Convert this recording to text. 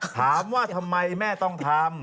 ถามว่าทำไมแม่ต้องทำ